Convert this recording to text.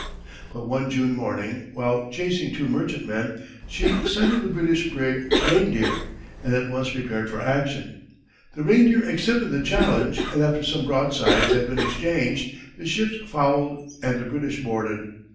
But one June morning, while chasing two merchantmen, she sighted the British brig Reindeer, and at once prepared for action. The Reindeer accepted the challenge, and after some broadsides had been exchanged, the ships fouled and the British boarded.